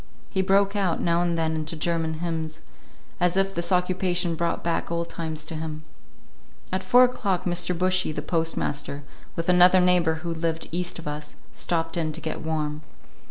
He broke out now and then into German hymns, as if this occupation brought back old times to him. At four o'clock Mr. Bushy, the postmaster, with another neighbor who lived east of us, stopped in to get warm.